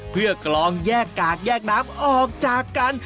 เพื่อกลองแยกกากแยกน้ำออกจากกัน